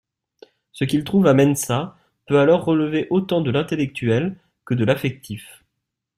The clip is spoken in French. Ce qu'ils trouvent à Mensa peut alors relever autant de l'intellectuel que de l'affectif.